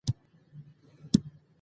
وینې دښته ښکلې کولې.